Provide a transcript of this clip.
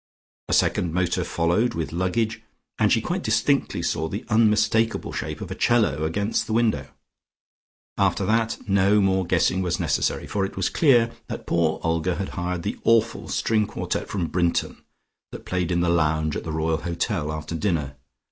A second motor followed with luggage, and she quite distinctly saw the unmistakable shape of a 'cello against the window. After that no more guessing was necessary, for it was clear that poor Olga had hired the awful string quartet from Brinton, that played in the lounge at the Royal Hotel after dinner.